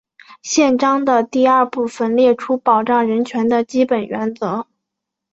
宪章的第二部分列出保障人权的基本原则。